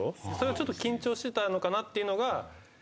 ちょっと緊張してたのかなっていうのが。